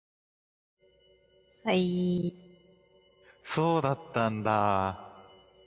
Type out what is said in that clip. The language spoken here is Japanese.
そうだったんだ。